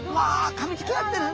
かみつき合ってる！